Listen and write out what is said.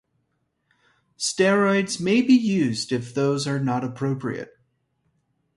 Steroids may be used if those are not appropriate.